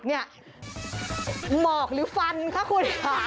หมอกหรือฟันคะคุณ